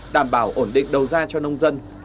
đảm bảo ổn định đầu ra cho nông dân